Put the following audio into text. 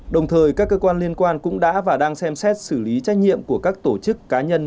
đồng thời các cơ quan liên quan cũng đã và đang xem xét xử lý trách nhiệm của các tổ chức cá nhân